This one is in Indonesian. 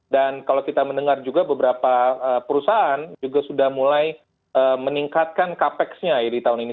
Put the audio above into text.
dan kalau kita mendengar juga beberapa perusahaan juga sudah mulai meningkatkan capexnya di tahun ini